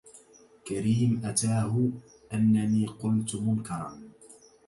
كريم أتاه أنني قلت منكرا